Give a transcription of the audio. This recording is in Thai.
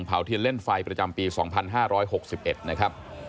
เทียนเล่นไฟประจำปี๒๕๖๑นะครับ